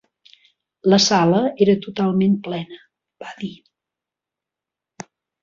La sala era totalment plena, va dir.